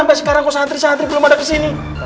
mana sekarang saatnya saatnya kesini